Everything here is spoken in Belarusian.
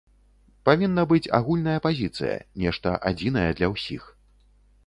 Павінна быць агульная пазіцыя, нешта адзінае для ўсіх.